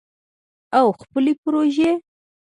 او خپلې پروژې